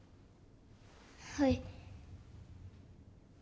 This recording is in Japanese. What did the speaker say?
はい。